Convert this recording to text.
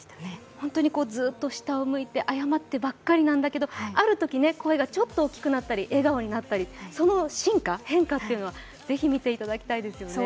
本当にずっと下を向いて謝ってばっかりだったんだけどあるとき、声がちょっと大きくなったり、笑顔になったり、その進化、変化はぜひ見ていただきたいと思いますよね。